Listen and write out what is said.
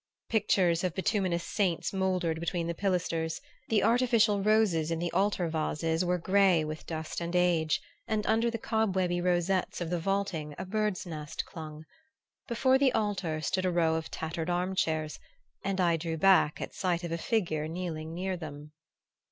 Pictures of bituminous saints mouldered between the pilasters; the artificial roses in the altar vases were gray with dust and age, and under the cobwebby rosettes of the vaulting a bird's nest clung. Before the altar stood a row of tattered arm chairs, and I drew back at sight of a figure kneeling near them.